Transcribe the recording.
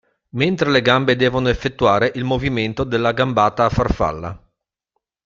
Mentre le gambe devono effettuare il movimento della gambata a farfalla.